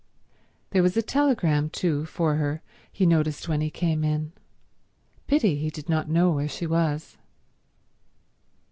There was a telegram, too, for her he noticed when he came in. Pity he did not know where she was.